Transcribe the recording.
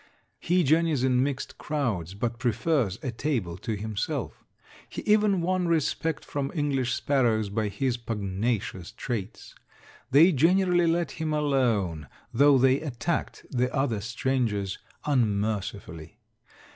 He journeys in mixed crowds, but prefers a table to himself. He even won respect from English sparrows by his pugnacious traits. They generally let him alone, though they attacked the other strangers unmercifully.